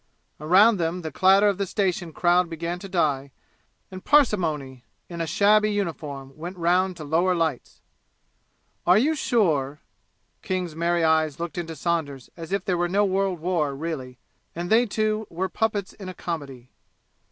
Around them the clatter of the station crowd began to die, and Parsimony in a shabby uniform went round to lower lights. "Are you sure " King's merry eyes looked into Saunders' as if there were no world war really and they two were puppets in a comedy.